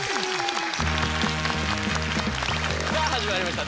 さあ始まりました